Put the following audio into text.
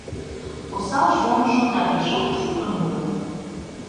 Осал шонышо да пешак шукын уло